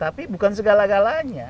tapi bukan segala galanya